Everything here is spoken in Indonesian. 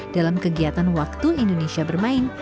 dalam kegiatan waktu indonesia bermain